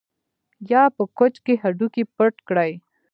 یا په کوچ کې هډوکي پټ کړي